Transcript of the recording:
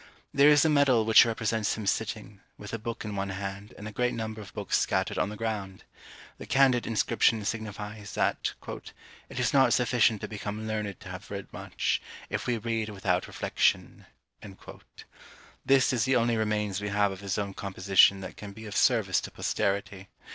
There is a medal which represents him sitting, with a book in one hand, and a great number of books scattered on the ground. The candid inscription signifies, that "it is not sufficient to become learned to have read much, if we read without reflection." This is the only remains we have of his own composition that can be of service to posterity.